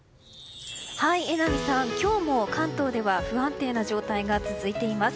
榎並さん、今日も関東では不安定な状態が続いています。